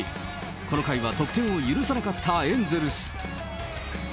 この回は得点を許さなかったエンゼルス。